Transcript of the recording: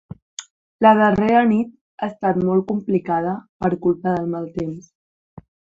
La darrera nit ha estat molt complicada per culpa del mal temps.